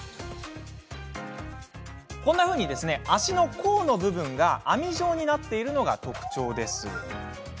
足の甲の部分が網状になっているのが特徴です。